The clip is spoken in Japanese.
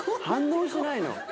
反応しないの。